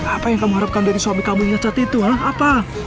apa yang kamu harapkan dari suami kamu saat itu apa